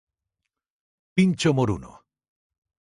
Pincho moruno